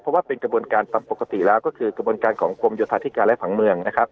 เพราะว่าเป็นกระบวนการตามปกติแล้วก็คือกระบวนการของกรมโยธาธิการและผังเมืองนะครับ